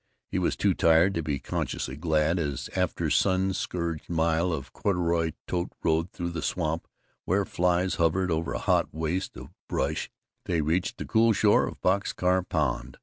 He was too tired to be consciously glad as, after a sun scourged mile of corduroy tote road through a swamp where flies hovered over a hot waste of brush, they reached the cool shore of Box Car Pond.